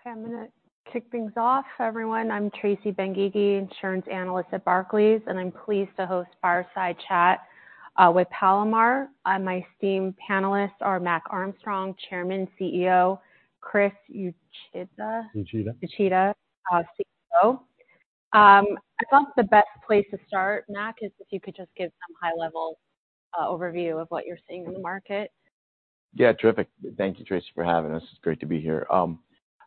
Okay, I'm going to kick things off, everyone. I'm Tracy Dolin-Benguigui, Insurance Analyst at Barclays, and I'm pleased to host fireside chat with Palomar. My esteemed panelists are Mac Armstrong, Chairman, CEO, Chris Uchida? Uchida. Uchida, CFO. I thought the best place to start, Mac, is if you could just give some high-level overview of what you're seeing in the market. Yeah, terrific. Thank you, Tracy, for having us. It's great to be here.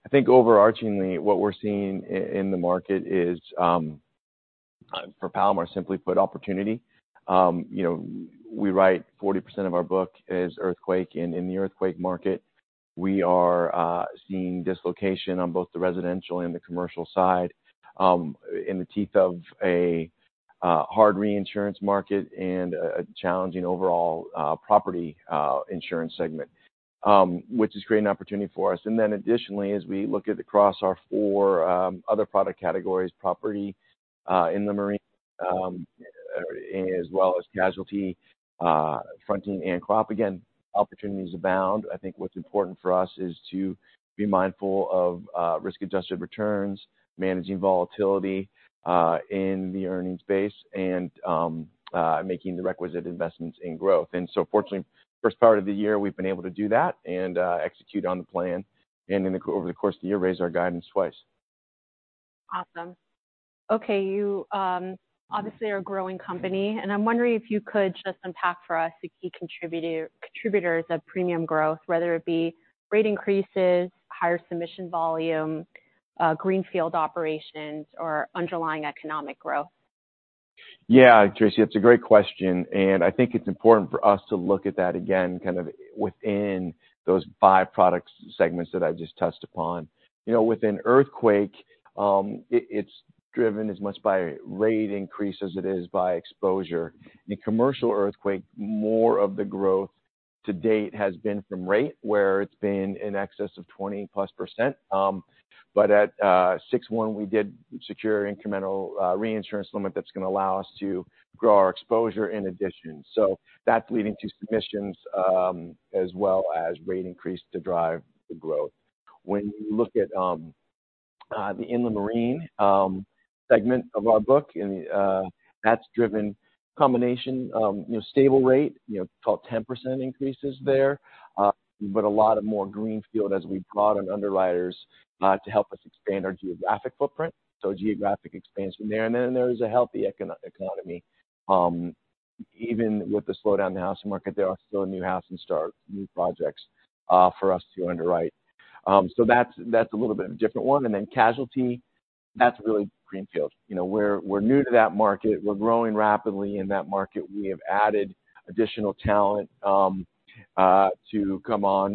I think overarchingly, what we're seeing in the market is, for Palomar, simply put, opportunity. You know, we write 40% of our book is earthquake, and in the earthquake market, we are seeing dislocation on both the residential and the commercial side, in the teeth of a hard reinsurance market and a challenging overall property insurance segment, which is creating opportunity for us. And then additionally, as we look at across our four other product categories, property, inland marine, as well as casualty, fronting and crop, again, opportunities abound. I think what's important for us is to be mindful of risk-adjusted returns, managing volatility in the earnings base, and making the requisite investments in growth. And so fortunately, first part of the year, we've been able to do that and execute on the plan, and in the course of the year, raise our guidance twice. Awesome. Okay, you obviously are a growing company, and I'm wondering if you could just unpack for us the key contributor, contributors of premium growth, whether it be rate increases, higher submission volume, greenfield operations, or underlying economic growth. Yeah, Tracy, that's a great question, and I think it's important for us to look at that again, kind of within those five products segments that I just touched upon. You know, within earthquake, it's driven as much by rate increase as it is by exposure. In commercial earthquake, more of the growth to date has been from rate, where it's been in excess of 20+%. But at 6/1, we did secure incremental reinsurance limit that's going to allow us to grow our exposure in addition. So that's leading to submissions, as well as rate increase to drive the growth. When you look at the inland marine segment of our book and that's driven combination, you know, stable rate, you know, about 10% increases there, but a lot of more greenfield as we've brought on underwriters to help us expand our geographic footprint. So geographic expansion there, and then there's a healthy economy. Even with the slowdown in the housing market, there are still new houses and start new projects for us to underwrite. So that's, that's a little bit of a different one. And then Casualty, that's really greenfield. You know, we're, we're new to that market. We're growing rapidly in that market. We have added additional talent to come on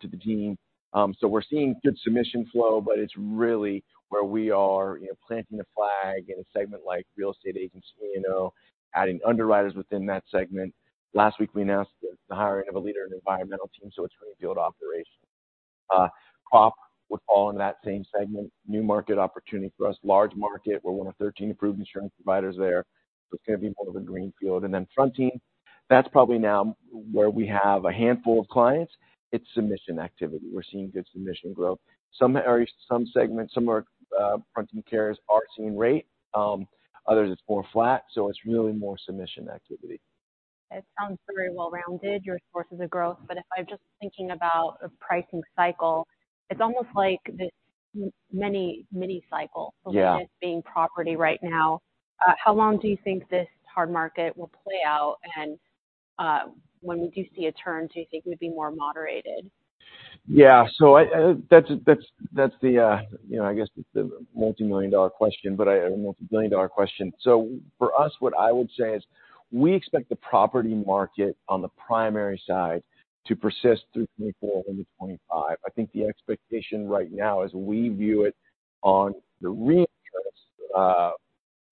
to the team. So we're seeing good submission flow, but it's really where we are, you know, planting the flag in a segment like real estate agency, you know, adding underwriters within that segment. Last week, we announced the hiring of a leader in the environmental team, so it's greenfield operation. Crop would fall in that same segment. New market opportunity for us. Large market, we're one of 13 approved insurance providers there, but it's going to be more of a greenfield. And then fronting, that's probably now where we have a handful of clients. It's submission activity. We're seeing good submission growth. Some segments, fronting carriers are seeing rate, others it's more flat, so it's really more submission activity. It sounds very well-rounded, your sources of growth, but if I'm just thinking about a pricing cycle, it's almost like this many mini cycles- Yeah -being property right now. How long do you think this hard market will play out? And, when we do see a turn, do you think it would be more moderated? Yeah. So I, that's the, you know, I guess the multimillion-dollar question, but a multibillion-dollar question. So for us, what I would say is, we expect the property market on the primary side to persist through 2024 into 2025. I think the expectation right now, as we view it on the reinsurance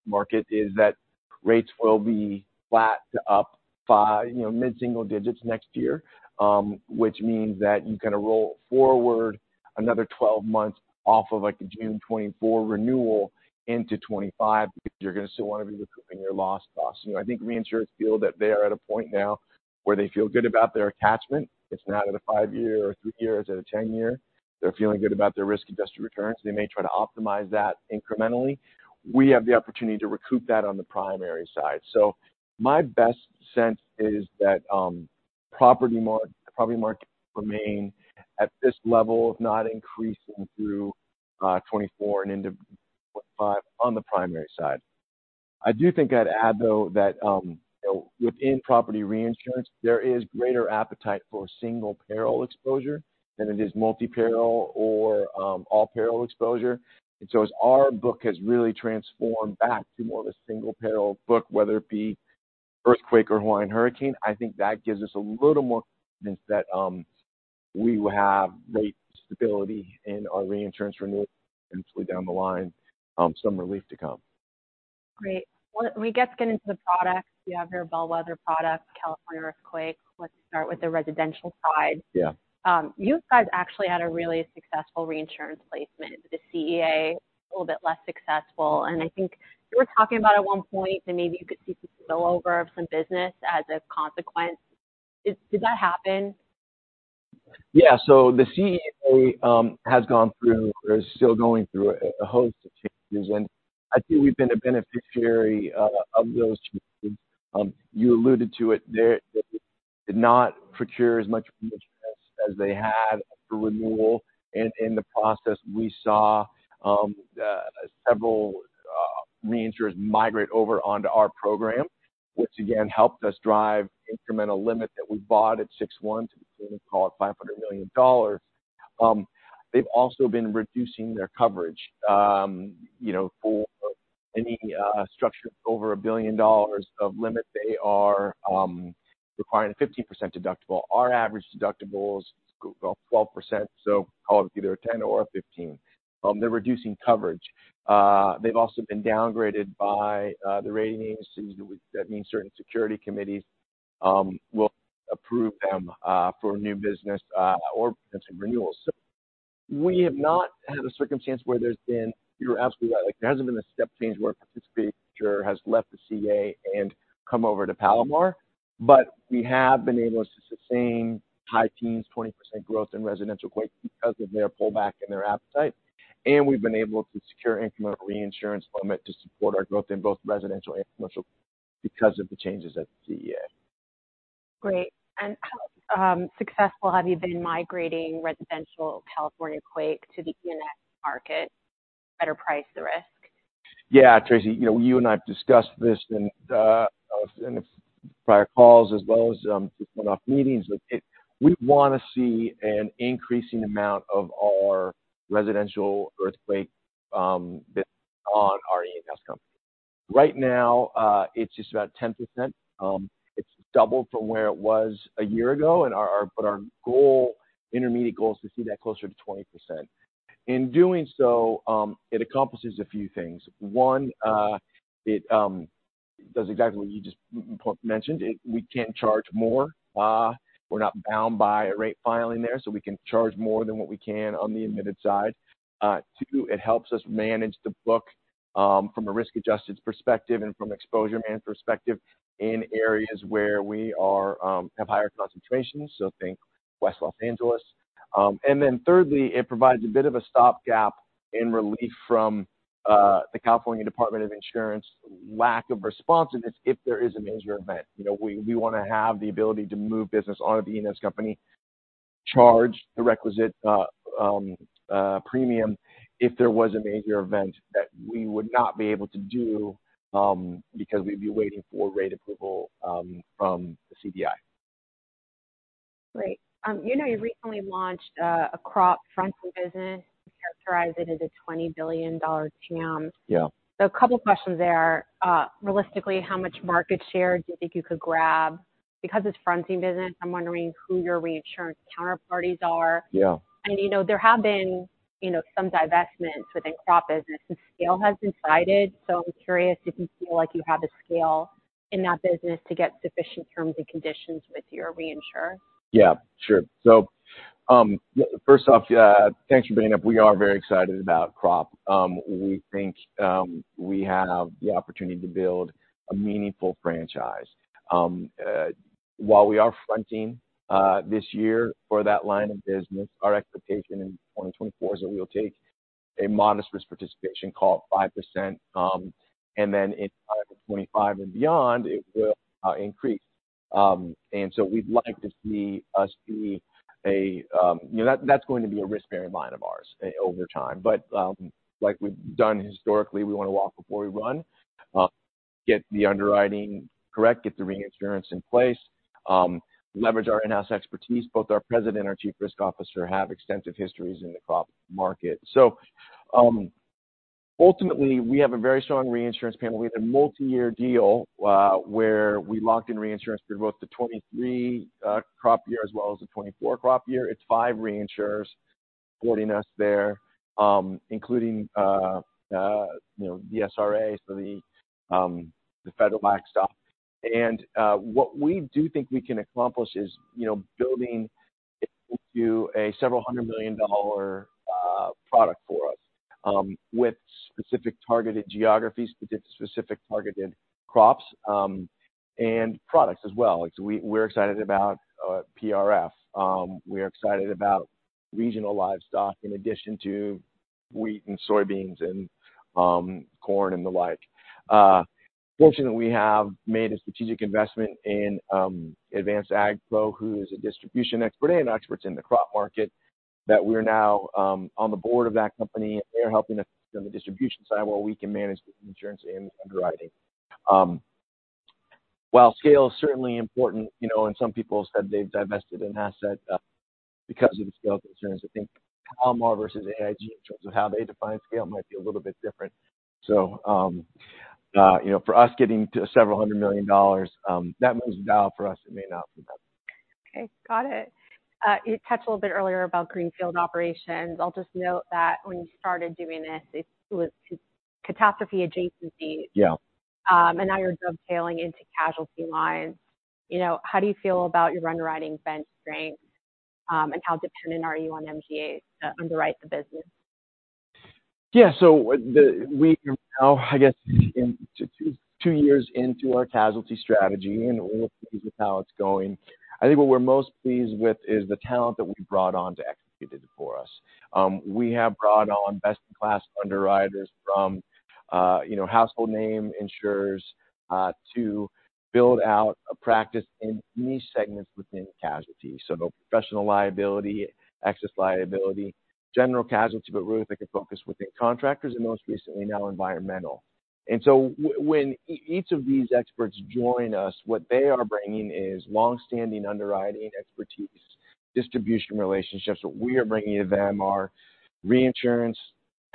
market, is that rates will be flat to up by, you know, mid-single digits next year, which means that you kind of roll forward another 12 months off of, like, a June 2024 renewal into 2025, because you're going to still want to be recouping your lost costs. You know, I think reinsurers feel that they are at a point now where they feel good about their attachment. It's not at a 5-year or a 3-year, it's at a 10-year. They're feeling good about their risk-adjusted returns. They may try to optimize that incrementally. We have the opportunity to recoup that on the primary side. So my best sense is that, property market remain at this level, if not increasing through 2024 and into 2025 on the primary side. I do think I'd add, though, that, you know, within property reinsurance, there is greater appetite for single peril exposure than it is multi-peril or, all peril exposure. And so as our book has really transformed back to more of a single peril book, whether it be earthquake or Hawaiian hurricane, I think that gives us a little more confidence that, we will have great stability in our reinsurance renewals and hopefully down the line, some relief to come. Great. Well, we get to get into the products. You have your bellwether product, California earthquake. Let's start with the residential side. Yeah. You guys actually had a really successful reinsurance placement. The CEA, a little bit less successful, and I think you were talking about at one point that maybe you could see some spillover of some business as a consequence.... Did that happen? Yeah, so the CEA has gone through, or is still going through a host of changes, and I think we've been a beneficiary of those changes. You alluded to it there, they did not procure as much reinsurance as they had for renewal, and in the process, we saw several reinsurers migrate over onto our program, which again, helped us drive incremental limit that we bought at 61 to call it $500 million. They've also been reducing their coverage, you know, for any structure over $1 billion of limit, they are requiring a 15% deductible. Our average deductible is about 12%, so call it either a 10 or a 15. They're reducing coverage. They've also been downgraded by the rating agencies. That would, that means certain security committees will approve them for new business or potential renewals. So we have not had a circumstance where there's been... You're absolutely right, like, there hasn't been a step change where a participating insurer has left the CEA and come over to Palomar, but we have been able to sustain high-teens 20% growth in residential quake because of their pullback and their appetite. And we've been able to secure incremental reinsurance limit to support our growth in both residential and commercial because of the changes at the CEA. Great. And how successful have you been migrating residential California quake to the E&S market at a price, the risk? Yeah, Tracy, you know, you and I've discussed this in its prior calls as well as some one-off meetings, but we want to see an increasing amount of our residential earthquake on our E&S company. Right now, it's just about 10%. It's doubled from where it was a year ago, but our goal, intermediate goal, is to see that closer to 20%. In doing so, it accomplishes a few things. One, it does exactly what you just mentioned. We can charge more. We're not bound by a rate filing there, so we can charge more than what we can on the admitted side. Two, it helps us manage the book from a risk-adjusted perspective and from an exposure management perspective in areas where we are have higher concentrations, so think West Los Angeles. And then thirdly, it provides a bit of a stopgap in relief from the California Department of Insurance lack of responsiveness if there is a major event. You know, we want to have the ability to move business onto the E&S company, charge the requisite premium if there was a major event that we would not be able to do because we'd be waiting for rate approval from the CDI. Great. You know, you recently launched a crop fronting business. You characterize it as a $20 billion TAM. Yeah. So a couple questions there. Realistically, how much market share do you think you could grab? Because it's fronting business, I'm wondering who your reinsurance counterparties are. Yeah. You know, there have been, you know, some divestments within crop business, and scale has been cited, so I'm curious if you feel like you have the scale in that business to get sufficient terms and conditions with your reinsurer? Yeah, sure. So, first off, thanks for bringing up. We are very excited about crop. We think, we have the opportunity to build a meaningful franchise. While we are fronting, this year for that line of business, our expectation in 2024 is that we will take a modest risk participation, call it 5%, and then in 2025 and beyond, it will, increase. And so we'd like to see us be a, you know, that, that's going to be a risk-bearing line of ours over time. But, like we've done historically, we want to walk before we run, get the underwriting correct, get the reinsurance in place, leverage our in-house expertise. Both our President and our Chief Risk Officer have extensive histories in the crop market. So, ultimately, we have a very strong reinsurance panel. We have a multiyear deal, where we locked in reinsurance for both the 2023 crop year as well as the 2024 crop year. It's five reinsurers supporting us there, including, you know, the SRA, so the, the federal livestock. And, what we do think we can accomplish is, you know, building into a several $100 million product for us, with specific targeted geographies, specific targeted crops, and products as well. Like, we, we're excited about PRF. We're excited about regional livestock in addition to wheat and soybeans and, corn and the like. Fortunately, we have made a strategic investment in Advanced AgPro, who is a distribution expert and experts in the crop market, that we're now on the board of that company, and they're helping us on the distribution side, while we can manage the insurance and underwriting. While scale is certainly important, you know, and some people have said they've divested an asset because of the scale concerns, I think Palomar versus AIG in terms of how they define scale might be a little bit different. So, you know, for us, getting to several $100 million, that moves the dial for us. It may not for them. Okay, got it. You touched a little bit earlier about greenfield operations. I'll just note that when you started doing this, it was to catastrophe adjacency. Yeah. And now you're dovetailing into casualty lines. You know, how do you feel about your underwriting bench strength, and how dependent are you on MGA to underwrite the business? ...Yeah, so we are now, I guess, in two years into our casualty strategy, and we're pleased with how it's going. I think what we're most pleased with is the talent that we've brought on to execute it for us. We have brought on best-in-class underwriters from you know, household name insurers to build out a practice in niche segments within casualty. So professional liability, excess liability, general casualty, but really with a focus within contractors and most recently now, environmental. And so when each of these experts join us, what they are bringing is long-standing underwriting expertise, distribution relationships. What we are bringing to them are reinsurance,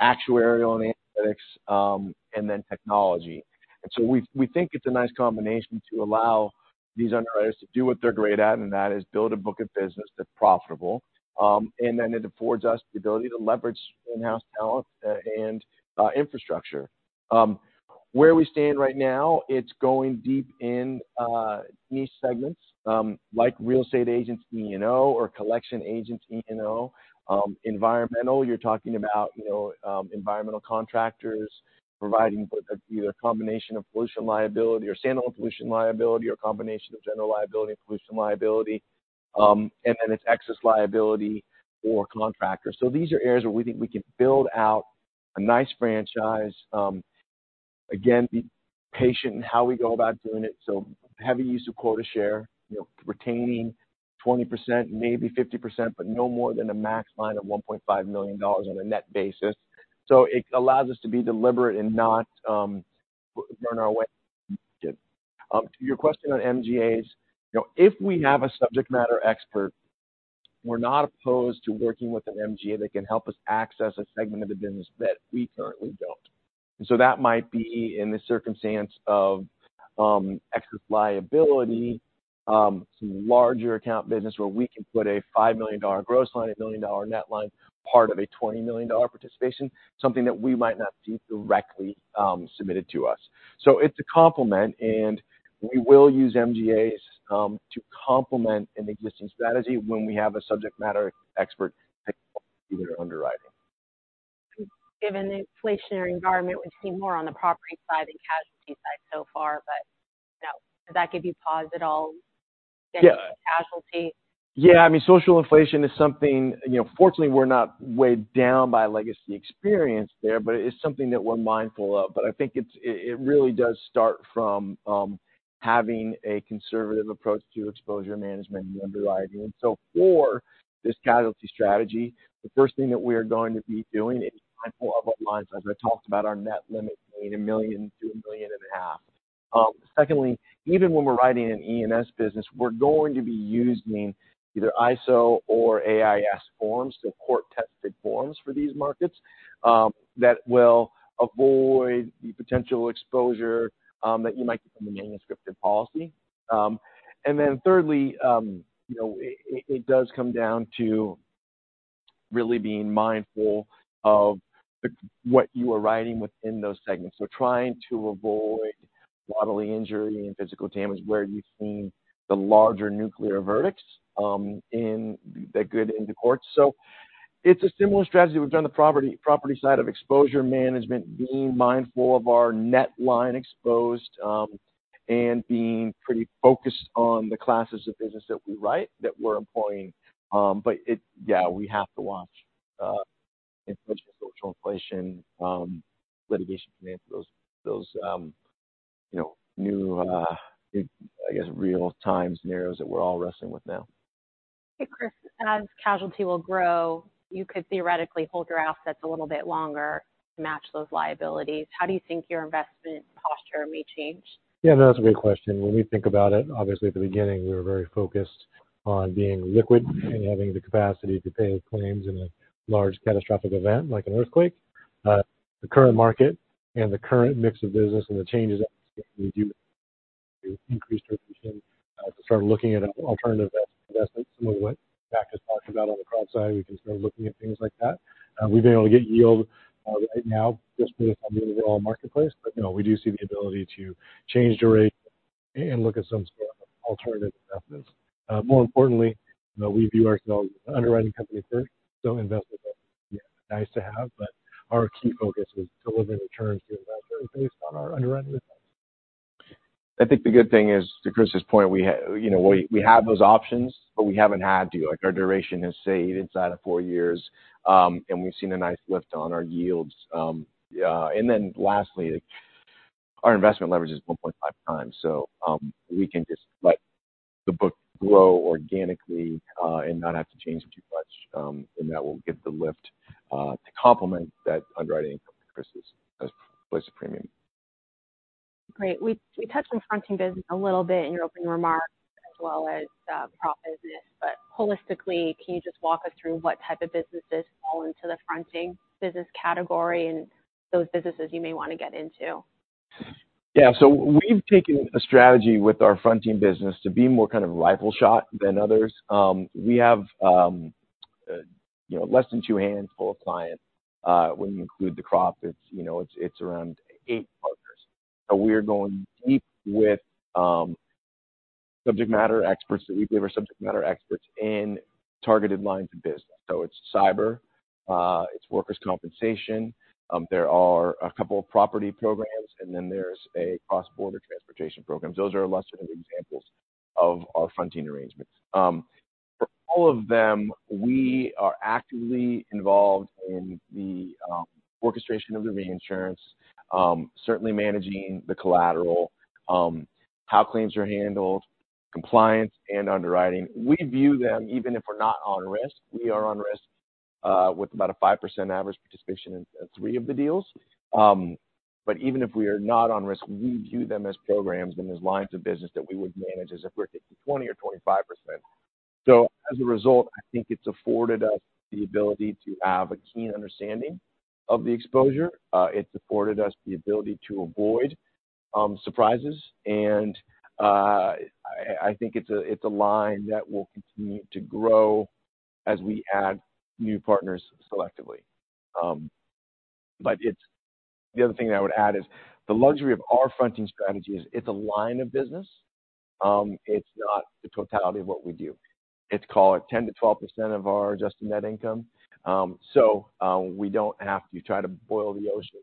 actuarial and analytics, and then technology. And so we think it's a nice combination to allow these underwriters to do what they're great at, and that is build a book of business that's profitable. And then it affords us the ability to leverage in-house talent and infrastructure. Where we stand right now, it's going deep in niche segments, like real estate agents E&O or collection agents E&O, environmental, you're talking about, you know, environmental contractors providing what either a combination of pollution liability or standalone pollution liability or combination of general liability and pollution liability, and then it's excess liability for contractors. So these are areas where we think we can build out a nice franchise. Again, be patient in how we go about doing it, so heavy use of quota share, you know, retaining 20%, maybe 50%, but no more than a max line of $1.5 million on a net basis. So it allows us to be deliberate and not burn our way. To your question on MGAs, you know, if we have a subject matter expert, we're not opposed to working with an MGA that can help us access a segment of the business that we currently don't. And so that might be in the circumstance of, excess liability, some larger account business where we can put a $5 million gross line, a $1 million net line, part of a $20 million participation, something that we might not see directly, submitted to us. So it's a complement, and we will use MGAs, to complement an existing strategy when we have a subject matter expert doing underwriting. Given the inflationary environment, we've seen more on the property side than casualty side so far, but, you know, does that give you pause at all? Yeah -in casualty? Yeah, I mean, social inflation is something, you know... fortunately, we're not weighed down by legacy experience there, but it is something that we're mindful of. But I think it's, it, it really does start from, having a conservative approach to exposure management and underwriting. And so for this casualty strategy, the first thing that we are going to be doing is mindful of our line. So as I talked about our net limit being $1 million-$1.5 million. Secondly, even when we're writing an E&S business, we're going to be using either ISO or AAIS forms, so court-tested forms for these markets, that will avoid the potential exposure, that you might get from a manuscripted policy. And then thirdly, you know, it does come down to really being mindful of what you are writing within those segments. So trying to avoid bodily injury and physical damage where you've seen the larger nuclear verdicts in the going to courts. So it's a similar strategy we've done on the property side of exposure management, being mindful of our net line exposed, and being pretty focused on the classes of business that we write that we're employing. But it... yeah, we have to watch social inflation, litigation finance, those you know new I guess real-time scenarios that we're all wrestling with now. Hey, Chris, and as casualty will grow, you could theoretically hold your assets a little bit longer to match those liabilities. How do you think your investment posture may change? Yeah, that's a great question. When we think about it, obviously at the beginning, we were very focused on being liquid and having the capacity to pay claims in a large catastrophic event, like an earthquake. The current market and the current mix of business and the changes that we do increased our position to start looking at alternative investments, some of what Mac has talked about on the crop side, we can start looking at things like that. We've been able to get yield right now, just based on the overall marketplace, but, you know, we do see the ability to change the rate and look at some alternative investments. More importantly, you know, we view ourselves as an underwriting company first, so investable. Nice to have, but our key focus is delivering returns to investors based on our underwriting. I think the good thing is, to Chris's point, you know, we have those options, but we haven't had to. Like, our duration has stayed inside of four years, and we've seen a nice lift on our yields. And then lastly, our investment leverage is 1.5 times, so we can just let the book grow organically, and not have to change it too much, and that will give the lift to complement that underwriting income, as Chris has placed the premium. Great. We touched on fronting business a little bit in your opening remarks as well as prop business, but holistically, can you just walk us through what type of businesses fall into the fronting business category and those businesses you may want to get into? Yeah. So we've taken a strategy with our fronting business to be more kind of rifle shot than others. We have, you know, less than two hands full of clients. When you include the crop, it's, you know, it's around eight partners. So we're going deep with subject matter experts that we give our subject matter experts in targeted lines of business. So it's cyber, it's workers' compensation, there are a couple of property programs, and then there's a cross-border transportation programs. Those are a lesser of examples of our fronting arrangements. For all of them, we are actively involved in the orchestration of the reinsurance, certainly managing the collateral, how claims are handled, compliance and underwriting. We view them, even if we're not on risk, we are on risk, with about a 5% average participation in three of the deals. But even if we are not on risk, we view them as programs and as lines of business that we would manage as if we're taking 20% or 25%. So as a result, I think it's afforded us the ability to have a keen understanding of the exposure. It's afforded us the ability to avoid surprises, and I think it's a line that will continue to grow as we add new partners selectively. But the other thing I would add is, the luxury of our fronting strategy is it's a line of business, it's not the totality of what we do. It's, call it, 10%-12% of our adjusted net income. So, we don't have to try to boil the ocean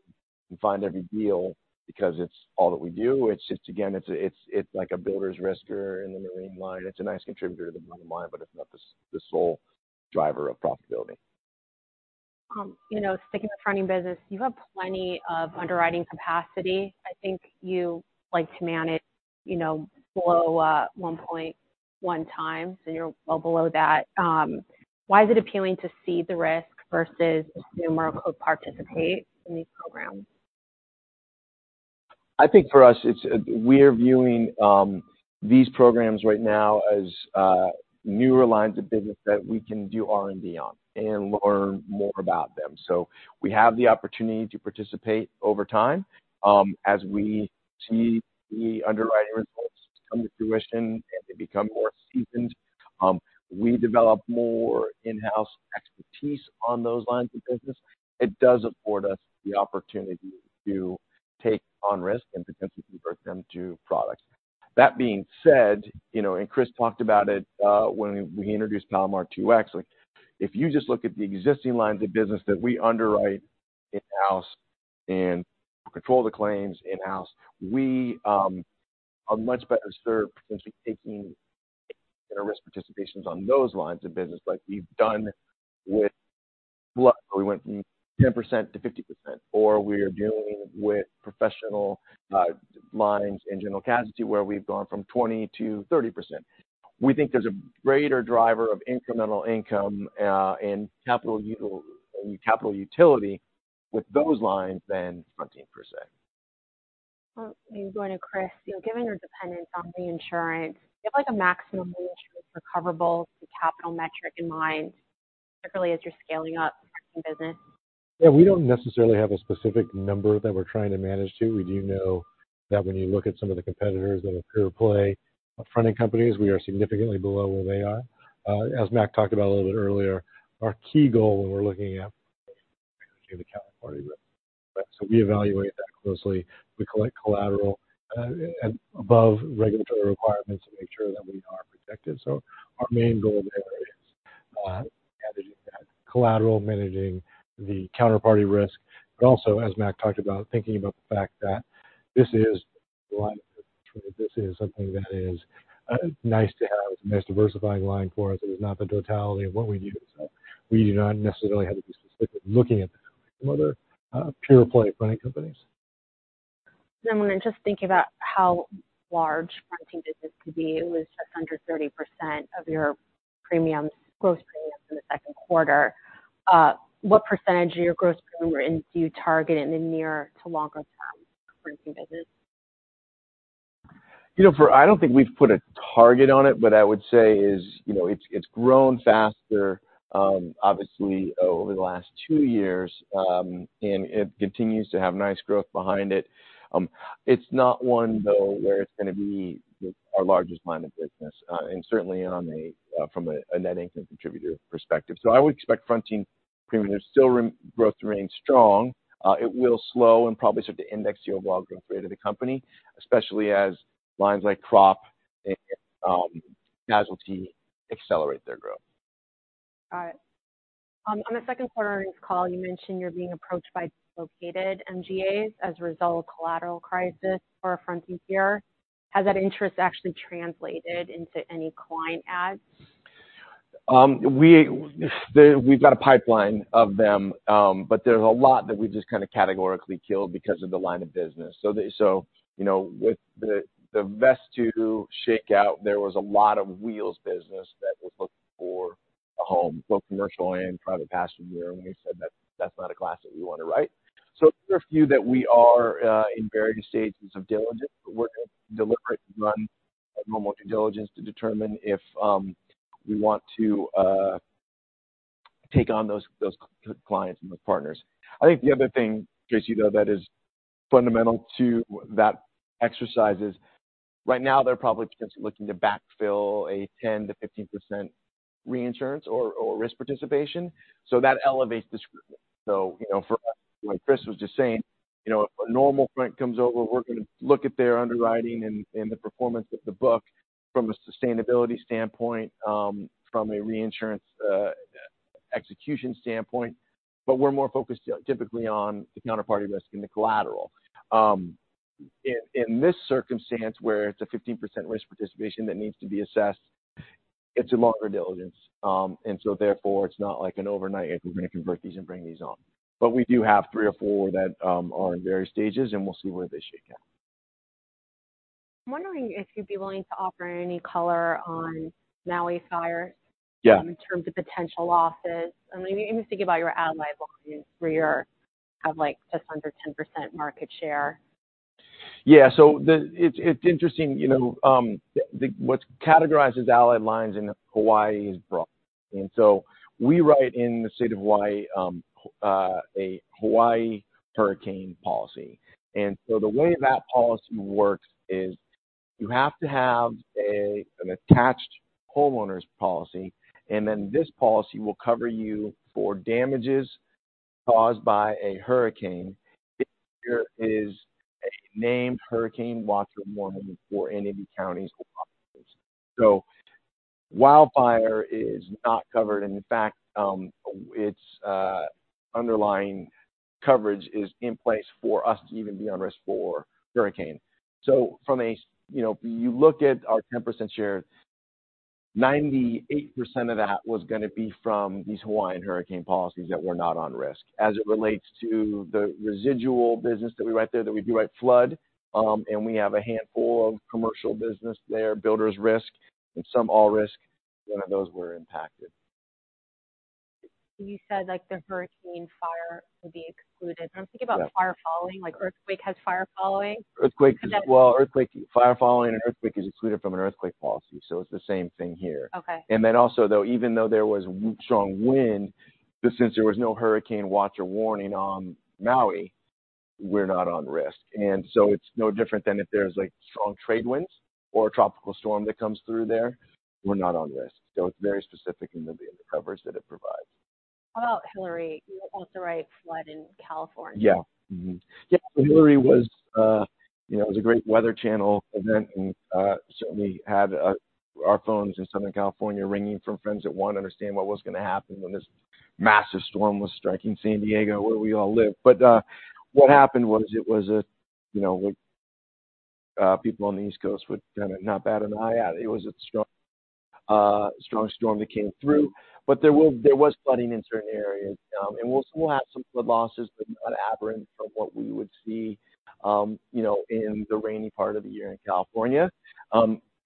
and find every deal because it's all that we do. It's just, again, it's like a builder's risk or in the marine line. It's a nice contributor to the bottom line, but it's not the sole driver of profitability. You know, sticking with fronting business, you have plenty of underwriting capacity. I think you like to manage, you know, below 1.1 times, and you're well below that. Why is it appealing to cede the risk versus net participate in these programs? I think for us, it's, we're viewing, these programs right now as, newer lines of business that we can do R&D on and learn more about them. So we have the opportunity to participate over time. As we see the underwriting results come to fruition and they become more seasoned, we develop more in-house expertise on those lines of business. It does afford us the opportunity to take on risk and potentially convert them to products. That being said, you know, and Chris talked about it, when we introduced Palomar 2X, like, if you just look at the existing lines of business that we underwrite in-house and control the claims in-house, we are much better served potentially taking our risk participations on those lines of business, like we've done with flood where we went from 10% to 50%, or we are dealing with professional lines in general casualty, where we've gone from 20% to 30%. We think there's a greater driver of incremental income and capital utility with those lines than fronting, per se. Well, going to Chris. You know, given your dependence on the insurance, do you have, like, a maximum insurance recoverable capital metric in mind, particularly as you're scaling up fronting business? Yeah, we don't necessarily have a specific number that we're trying to manage to. We do know that when you look at some of the competitors that are pure play fronting companies, we are significantly below where they are. As Mac talked about a little bit earlier, our key goal when we're looking at the counterparty risk. So we evaluate that closely. We collect collateral, and above regulatory requirements to make sure that we are protected. So our main goal there is, managing that collateral, managing the counterparty risk, but also, as Mac talked about, thinking about the fact that this is a line, this is something that is, nice to have, nice diversifying line for us. It is not the totality of what we do. So we do not necessarily have to be specific looking at that from other, pure play fronting companies. When I'm just thinking about how large fronting business could be, it was just under 30% of your premiums, gross premiums in the second quarter. What percentage of your gross premiums do you target in the near to longer term fronting business? You know, for—I don't think we've put a target on it, but I would say is, you know, it's, it's grown faster, obviously, over the last two years, and it continues to have nice growth behind it. It's not one, though, where it's going to be the, our largest line of business, and certainly on a, from a net income contributor perspective. So I would expect fronting premiums to still re- growth remains strong. It will slow and probably start to index year while growth rate of the company, especially as lines like crop and casualty accelerate their growth. Got it. On the second quarter earnings call, you mentioned you're being approached by dislocated MGAs as a result of collateral crisis for our fronting there. Has that interest actually translated into any client adds? We've got a pipeline of them, but there's a lot that we've just kind of categorically killed because of the line of business. So you know, with the best to shake out, there was a lot of wheels business that was looking for a home, both commercial and private passenger, and we said that that's not a class that we want to write. So there are a few that we are in various stages of diligence, but we're going to deliberately run normal due diligence to determine if we want to take on those clients and those partners. I think the other thing, Tracy, though, that is fundamental to that exercise is right now they're probably potentially looking to backfill a 10%-15% reinsurance or risk participation. So that elevates the sc-... So, you know, for us, like Chris was just saying, you know, a normal client comes over, we're going to look at their underwriting and, and the performance of the book from a sustainability standpoint, from a reinsurance execution standpoint. But we're more focused typically on the counterparty risk and the collateral. In this circumstance, where it's a 15% risk participation that needs to be assessed, it's a longer diligence. And so therefore, it's not like an overnight if we're going to convert these and bring these on. But we do have three or four that are in various stages, and we'll see where they shake out. I'm wondering if you'd be willing to offer any color on Maui fires? Yeah. in terms of potential losses. I mean, even thinking about your allied lines, where you're at, like, just under 10% market share. Yeah. So it's, it's interesting, you know, the what's categorized as allied lines in Hawaii is broad. And so we write in the state of Hawaii, a Hawaiian hurricane policy. And so the way that policy works is you have to have an attached homeowner's policy, and then this policy will cover you for damages caused by a hurricane. If there is a named hurricane watch or warning for any of the counties or islands. So wildfire is not covered, and in fact, the underlying coverage is in place for us to even be at risk for hurricane. So you know, you look at our 10% share, 98% of that was going to be from these Hawaiian hurricane policies that were not on risk. As it relates to the residual business that we write there, that we do write flood, and we have a handful of commercial business there, builders risk and some all risk, none of those were impacted. You said, like the hurricane fire would be excluded. Yeah. I'm thinking about fire following, like earthquake has fire following. Well, earthquake, fire following an earthquake is excluded from an earthquake policy, so it's the same thing here. Okay. And then also, though, even though there was strong wind, but since there was no hurricane watch or warning on Maui, we're not on risk. And so it's no different than if there's, like, strong trade winds or a tropical storm that comes through there. We're not on risk. So it's very specific in the coverage that it provides. How about Hilary? You also write flood in California. Yeah. Mm-hmm. Yeah, Hilary was, you know, it was a great weather channel event, and certainly had our phones in Southern California ringing from friends that want to understand what was going to happen when this massive storm was striking San Diego, where we all live. But what happened was, it was a, you know, what people on the East Coast would kind of not bat an eye at. It was a strong, strong storm that came through, but there was, there was flooding in certain areas. And we'll, we'll have some flood losses, but not aberrant from what we would see, you know, in the rainy part of the year in California.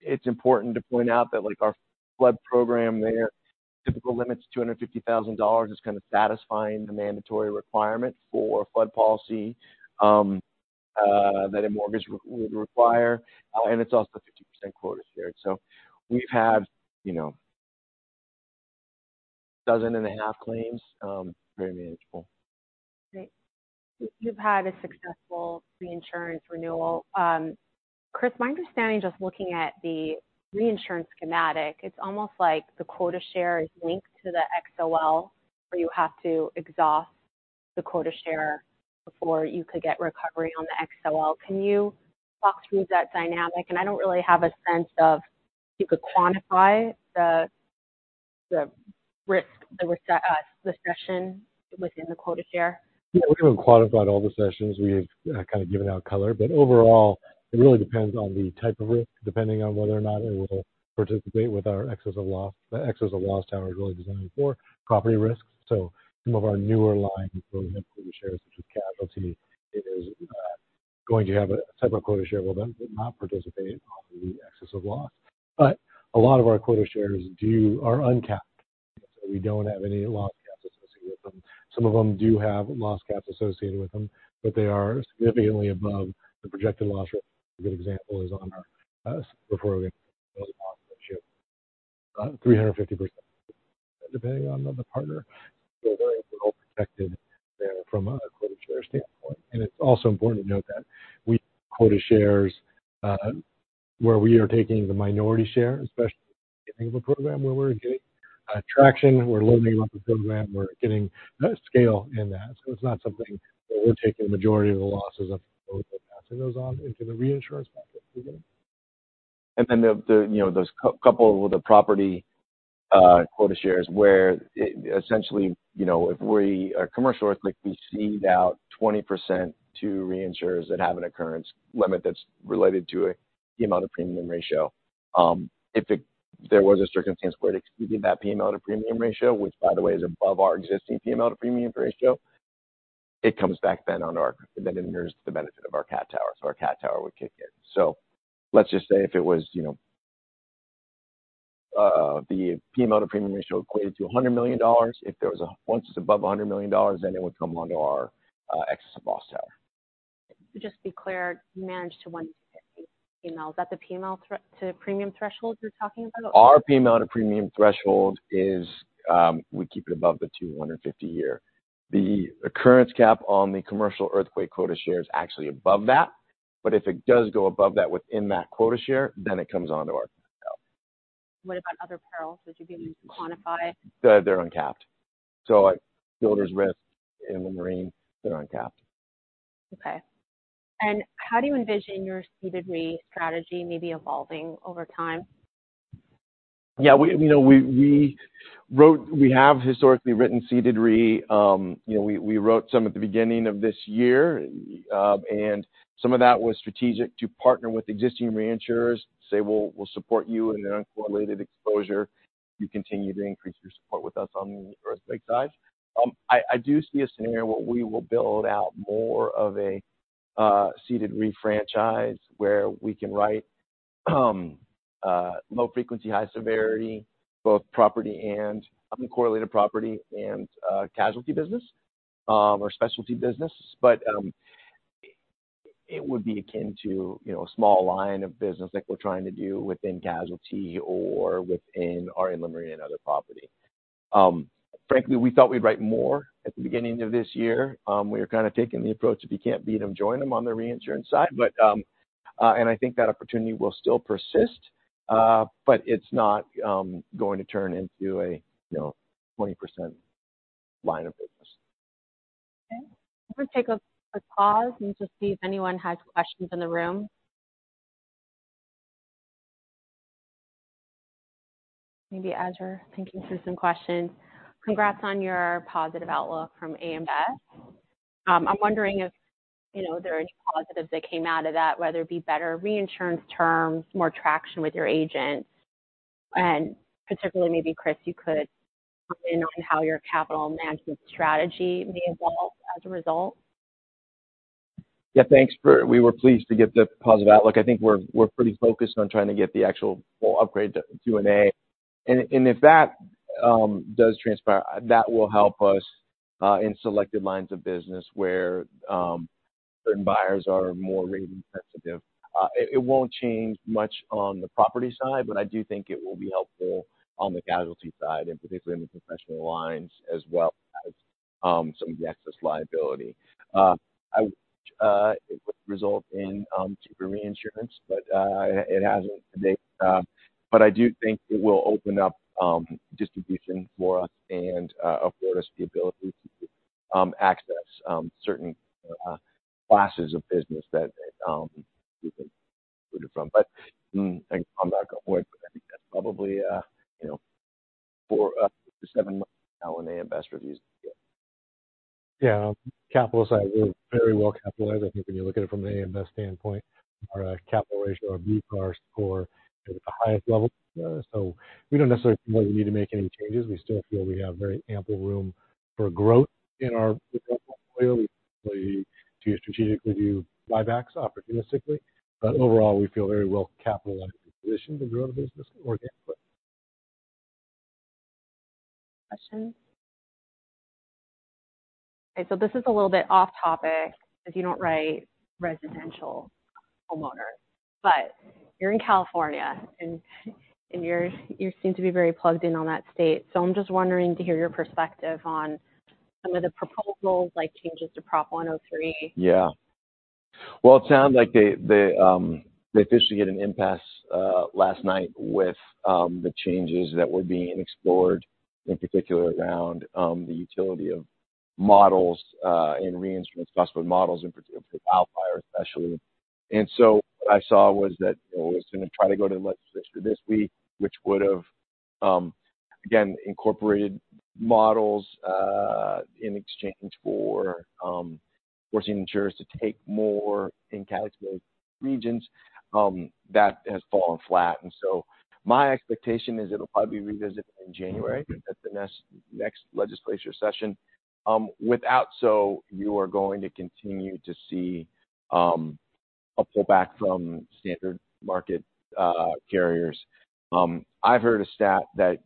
It's important to point out that, like our flood program there, typical limits, $250,000 is kind of satisfying the mandatory requirement for flood policy, that a mortgage would require, and it's also a 50% quota share. So we've had, you know, 12.5 claims, very manageable. Great. You've had a successful reinsurance renewal. Chris, my understanding, just looking at the reinsurance schematic, it's almost like the quota share is linked to the XOL, where you have to exhaust the quota share before you could get recovery on the XOL. Can you walk through that dynamic? And I don't really have a sense of if you could quantify the risk, the session within the quota share. Yeah, we haven't quantified all the sessions. We've kind of given out color, but overall, it really depends on the type of risk, depending on whether or not it will participate with our excess of loss. The excess of loss tower is really designed for property risks, so some of our newer lines where we have quota shares, such as casualty, it is going to have a type of quota share will then not participate on the excess of loss. But a lot of our quota shares do, are uncapped, so we don't have any loss caps associated with them. Some of them do have loss caps associated with them, but they are significantly above the projected loss rate. A good example is on our, before we- 350%, depending on the partner. So they're all protected there from a quota share standpoint. It's also important to note that we quota shares, where we are taking the minority share, especially of a program where we're getting traction, we're loading up a program, we're getting scale in that. So it's not something where we're taking the majority of the losses of passing those on into the reinsurance market. And then, you know, those coupled with the property quota shares, where essentially, you know, if we a commercial earthquake, we cede out 20% to reinsurers that have an occurrence limit that's related to a PML out of premium ratio. If there was a circumstance where it exceeded that PML out of premium ratio, which by the way, is above our existing PML out of premium ratio, it comes back then on our... Then it mirrors the benefit of our cat tower. So our cat tower would kick in. So let's just say if it was, you know, the PML out of premium ratio equated to $100 million. Once it's above $100 million, then it would come onto our excess of loss tower. Just to be clear, you managed to one PML. Is that the PML to premium threshold you're talking about? Our PM out of premium threshold is. We keep it above the 250-year. The occurrence cap on the commercial earthquake quota share is actually above that, but if it does go above that within that quota share, then it comes onto our tower. ...What about other perils? Would you be able to quantify? They're uncapped. So like, builders risk and the marine, they're uncapped. Okay. And how do you envision your ceded re strategy maybe evolving over time? Yeah, you know, we wrote - we have historically written ceded re. You know, we wrote some at the beginning of this year. And some of that was strategic to partner with existing reinsurers. Say, we'll support you in an uncorrelated exposure. You continue to increase your support with us on the earthquake side. I do see a scenario where we will build out more of a ceded re franchise, where we can write low frequency, high severity, both property and uncorrelated property and casualty business or specialty business. But it would be akin to, you know, a small line of business like we're trying to do within casualty or within our inland marine and other property. Frankly, we thought we'd write more at the beginning of this year. We were kind of taking the approach, if you can't beat them, join them on the reinsurance side. But, and I think that opportunity will still persist, but it's not going to turn into a, you know, 20% line of business. Okay. Let's take a quick pause and just see if anyone has questions in the room. Maybe as you're thinking through some questions. Congrats on your positive outlook from A.M. Best. I'm wondering if, you know, there are any positives that came out of that, whether it be better reinsurance terms, more traction with your agents, and particularly maybe, Chris, you could comment on how your capital management strategy may evolve as a result. Yeah, thanks for... We were pleased to get the positive outlook. I think we're pretty focused on trying to get the actual full upgrade to an A. And if that does transpire, that will help us in selected lines of business where certain buyers are more rating sensitive. It won't change much on the property side, but I do think it will be helpful on the casualty side, and particularly in the professional lines as well as some of the excess liability. It would result in cheaper reinsurance, but it hasn't to date. But I do think it will open up distribution for us and afford us the ability to access certain classes of business that we've been excluded from. But, I'm back on point, but I think that's probably, you know, four to seven months now when A.M. Best reviews. Yeah. capital side, we're very well capitalized. I think when you look at it from an A.M. Best standpoint, our capital ratio, our BCAR score, is at the highest level. So we don't necessarily feel we need to make any changes. We still feel we have very ample room for growth in our portfolio. We continue to strategically do buybacks opportunistically, but overall, we feel very well capitalized and positioned to grow the business organically. Questions? Okay, so this is a little bit off topic, as you don't write residential homeowners, but you're in California, and you're, you seem to be very plugged in on that state. So I'm just wondering to hear your perspective on some of the proposals, like changes to Prop 103? Yeah. Well, it sounds like they officially hit an impasse last night with the changes that were being explored, in particular around the utility of models in reinsurance, cost models, in particular, wildfire especially. And so what I saw was that, you know, it was going to try to go to the legislature this week, which would have again incorporated models in exchange for forcing insurers to take more in calculated regions, that has fallen flat. And so my expectation is it'll probably be revisited in January at the next legislature session. Without, so you are going to continue to see a pullback from standard market carriers. I've heard a stat that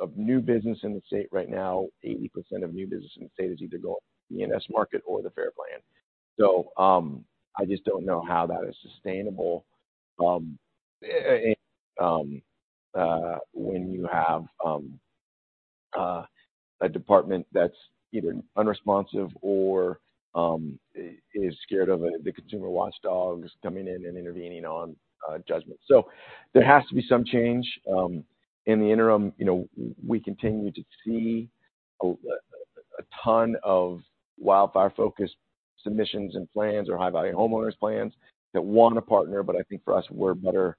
of new business in the state right now, 80% of new business in the state is either going E&S market or the FAIR Plan. So, I just don't know how that is sustainable, when you have a department that's either unresponsive or is scared of the consumer watchdogs coming in and intervening on judgment. So there has to be some change, in the interim, you know, we continue to see a ton of wildfire-focused submissions and plans or high-value homeowners plans that want to partner. But I think for us, we're better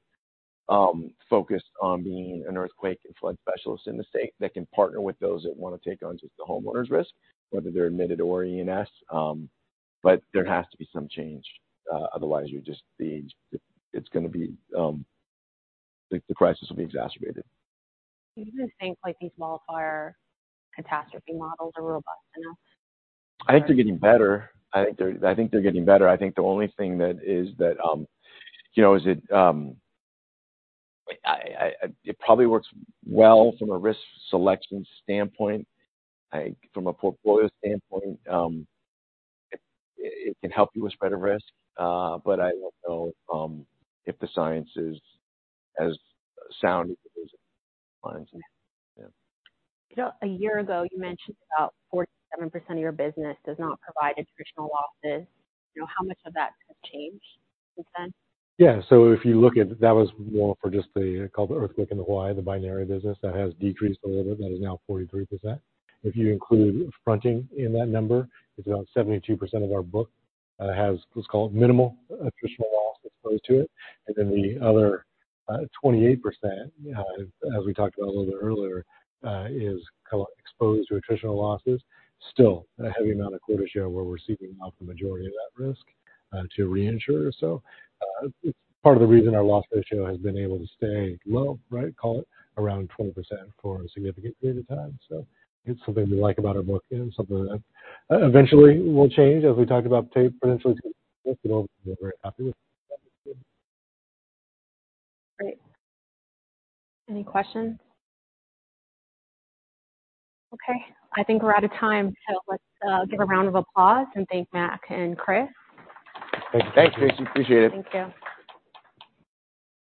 focused on being an earthquake and flood specialist in the state that can partner with those that want to take on just the homeowners risk, whether they're admitted or E&S. But there has to be some change, otherwise, you're just being... It's going to be, the crisis will be exacerbated. Do you think, like, these wildfire catastrophe models are robust enough? I think they're getting better. I think they're getting better. I think the only thing that is that, you know, is it, I, I... It probably works well from a risk selection standpoint. From a portfolio standpoint, it can help you with spread of risk, but I don't know, if the science is as sound as it is. You know, a year ago, you mentioned about 47% of your business does not provide attritional losses. You know, how much of that has changed since then? Yeah. So if you look at... That was more for just the called the earthquake in Hawaii, the binary business. That has decreased a little bit. That is now 43%. If you include fronting in that number, it's about 72% of our book has what's called minimal attritional loss exposed to it. And then the other 28%, as we talked about a little bit earlier, is exposed to attritional losses. Still a heavy amount of quota share, where we're seeking out the majority of that risk to reinsurers. So it's part of the reason our loss ratio has been able to stay low, right? Call it around 20% for a significant period of time. So it's something we like about our book, and something that eventually will change as we talked about potentially, you know, we're very happy with. Great. Any questions? Okay, I think we're out of time, so let's give a round of applause and thank Mac and Chris. Thank you. Thanks, Chris. Appreciate it. Thank you.